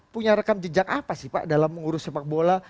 punya rekam jejak apa sih pak dalam mengurus sepak bola